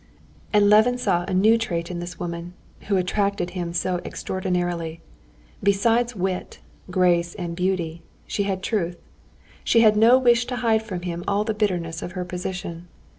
And Levin saw a new trait in this woman, who attracted him so extraordinarily. Besides wit, grace, and beauty, she had truth. She had no wish to hide from him all the bitterness of her position.